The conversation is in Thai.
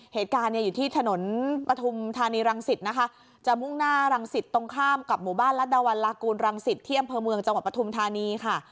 เหตุการณ์อยู่ที่ถนนประธุมธานีรังศิษฐ์จมุ่งหน้ารังศิษฐ์ตรงข้ามกับหมู่บ้านรัฐดาวัลลากูลรังศิษฐ์ที่อำเภอเมืองจังหวัดประธุมธานี